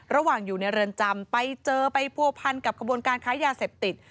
ระหว่างอยู่ในเรือนจำไปเจอไปผัวพันกับขบวนการค้ายาเสพติด